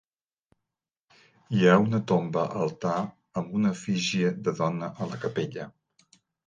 Hi ha una tomba altar amb una efígie de dona a la capella.